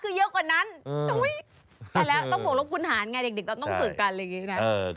ไปแล้วต้องบอกลบคุณฐานไงเด็กต้องฝึกกันอะไรอย่างนี้นะ